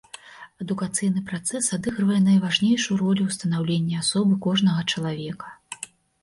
Адукацыйны працэс адыгрывае найважнейшую ролю ў станаўленні асобы кожнага чалавека.